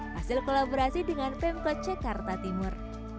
hasil kolaborasi dengan pemkot jakarta timur